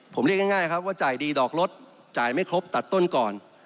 ผมเรียกง่ายครับว่าจ่ายดีดอกลดจ่ายไม่ครบตัดต้นก่อน